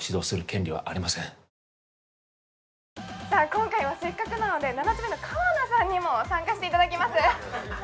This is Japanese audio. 今回はせっかくなので七鳥目の川名さんにも参加していただきます